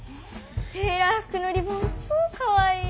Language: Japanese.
セーラー服のリボン超かわいい！